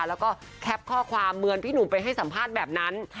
แล้วก็แคปข้อความเหมือนพี่หนุ่มไปให้สัมภาษณ์แบบนั้น